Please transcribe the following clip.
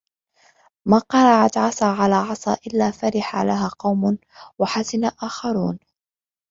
مَا قَرَعْت عَصَا عَلَى عَصَا إلَّا فَرِحَ لَهَا قَوْمٌ وَحَزِنَ آخَرُونَ